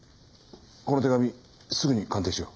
この手紙すぐに鑑定しろ。